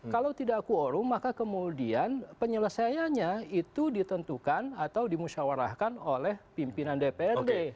kalau tidak kuorum maka kemudian penyelesaiannya itu ditentukan atau dimusyawarahkan oleh pimpinan dprd